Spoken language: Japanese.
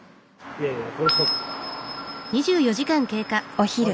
お昼。